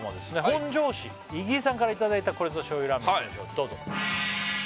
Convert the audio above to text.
本庄市いぎいさんからいただいたこれぞ醤油ラーメンいきましょうどうぞ！